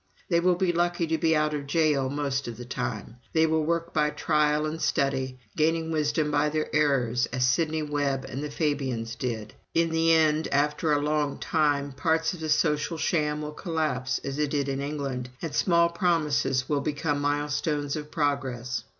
They will be lucky to be out of jail most of the time. They will work by trial and study, gaining wisdom by their errors, as Sidney Webb and the Fabians did. In the end, after a long time, parts of the social sham will collapse, as it did in England, and small promises will become milestones of progress.